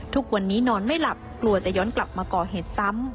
ทุกวันนี้นอนไม่หลับกลัวจะย้อนกลับมาก่อเหตุซ้ำ